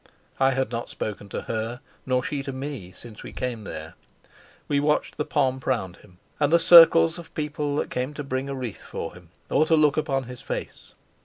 I had not spoken to her, nor she to me, since we came there. We watched the pomp round him, and the circles of people that came to bring a wreath for him or to look upon his face.